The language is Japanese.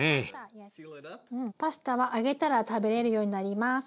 うんパスタは揚げたら食べれるようになります。